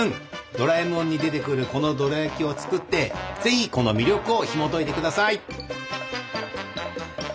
ドラえもんに出てくるこのドラやきを作ってぜひこの魅力をひもといて下さい！